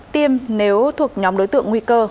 tiêm nếu thuộc nhóm đối tượng nguy cơ